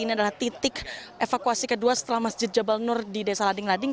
ini adalah titik evakuasi kedua setelah masjid jabal nur di desa lading lading